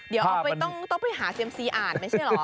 เดี๋ยวต้องไปหาเซียมซีอ่านไม่ใช่เหรอ